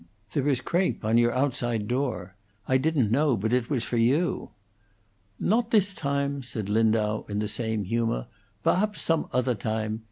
There is crape on your outside door. I didn't know but it was for you." "Nodt this time," said Lindau, in the same humor. "Berhaps some other time.